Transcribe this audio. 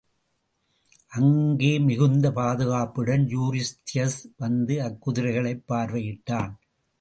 அங்கே மிகுந்த பாதுகாப்புடன் யூரிஸ்தியஸ் வந்து அக்குதிரைகளைப் பார்வையிட்டான்.